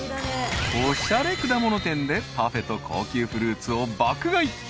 ［おしゃれ果物店でパフェと高級フルーツを爆買い］